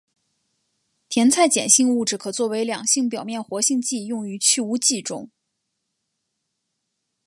甜菜碱型物质可作为两性表面活性剂用于去污剂中。